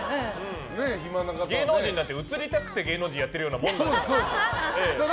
芸能人だって映りたくて芸能人をやっているようなもんだから。